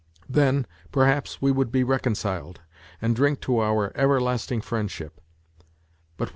Then, perhaps, we would be reconciled and drink to our ever lasting friendship; but what